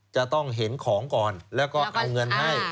จะต้องเห็นของก่อนแล้วก็เอาเงินให้